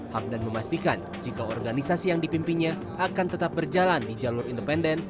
hamdan memastikan jika organisasi yang dipimpinnya akan tetap berjalan di jalur independen